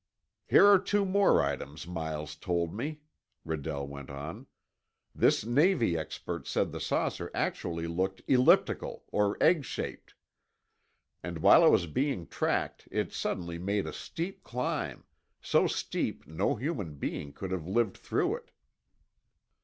"Here are two more items Miles told me," Redell went on. "This Navy expert said the saucer actually looked elliptical, or egg shaped. And while it was being tracked it suddenly made a steep climb—so steep no human being could have lived through it."